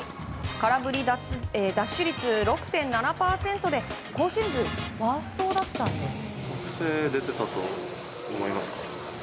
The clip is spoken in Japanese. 空振り奪取率６．７％で今シーズンワーストだったんです。